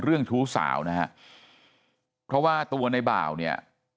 ชู้สาวนะฮะเพราะว่าตัวในบ่าวเนี่ย